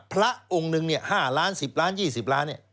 พระองค์นึงเนี่ย๕ล้าน๑๐ล้าน๒๐ล้านเนี่ย